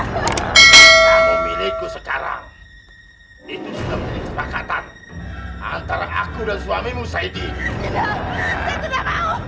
kau sudah beri kesepakatan antara aku dan suamimu saidie